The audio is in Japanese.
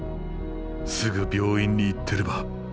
すぐ病院に行ってれば。